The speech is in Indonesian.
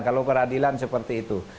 kalau peradilan seperti itu